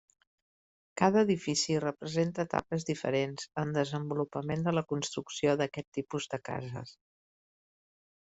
Cada edifici representa etapes diferents en desenvolupament de la construcció d'aquest tipus de cases.